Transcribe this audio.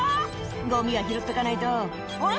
「ゴミは拾っとかないとあれ？